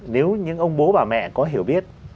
nếu những ông bố bà mẹ có hiểu biết